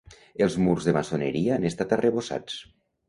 Els murs de maçoneria han estat arrebossats.